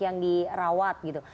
yang sudah di rawat gitu